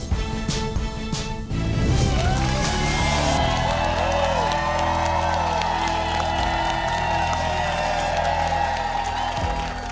สวัสดีครับ